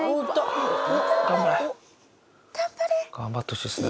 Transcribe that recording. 頑張れ。頑張ってほしいですね